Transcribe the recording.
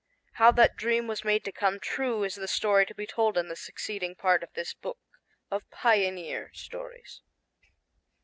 How that dream was made to come true is the story to be told in the succeeding part of this book of pioneer stories.